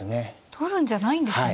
取るんじゃないんですね。